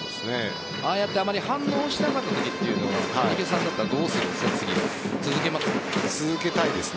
ああやってあまり反応しなかったときというのは谷繁さんだったら続けます。